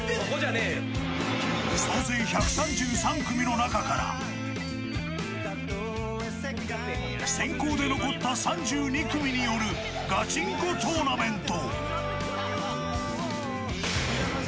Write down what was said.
総勢１３３組の中から選考で残った３２組によるガチンコトーナメント。